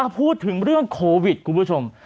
พูดถึงเรื่องโควิดคุณผู้ชม